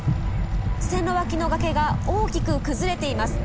線路脇の崖が大きく崩れています。